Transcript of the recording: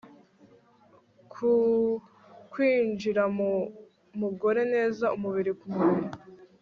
ku kwinjira mu mugore neza umubiri ku mubiri